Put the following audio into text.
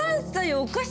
お菓子。